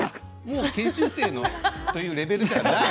研修生というレベルではない。